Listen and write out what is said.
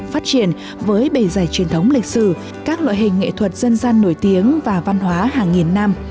phát triển với bề dày truyền thống lịch sử các loại hình nghệ thuật dân gian nổi tiếng và văn hóa hàng nghìn năm